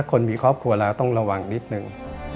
อาหารต้องระวังนิดนึง